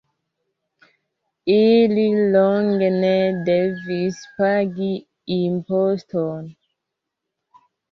Ili longe ne devis pagi imposton.